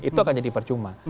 itu akan jadi percuma